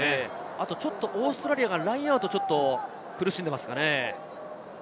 あとちょっとオーストラリアがラインアウトで苦しんでいますかね。